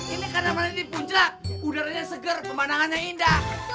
ini karena malam ini puncelah udaranya segar pemandangannya indah